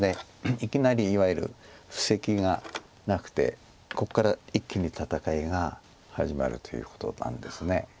いきなりいわゆる布石がなくてここから一気に戦いが始まるということなんです。